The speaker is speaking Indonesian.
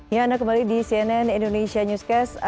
ya anda kembali di cnn indonesia newscast